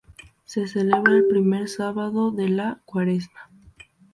Se celebra el primer sábado de la Cuaresma.